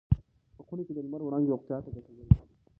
په خونه کې د لمر وړانګې روغتیا ته ګټورې دي.